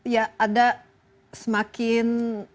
ya ada semakin